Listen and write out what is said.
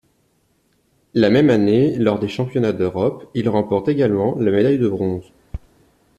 La même année, lors des Championnats d'Europe, il remporte également la médaille de bronze.